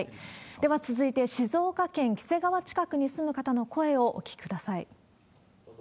では続いて、静岡県黄瀬川近くに住む方の声をお聞きください。